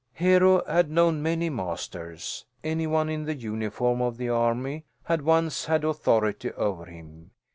Hero had known many masters. Any one in the uniform of the army had once had authority over him.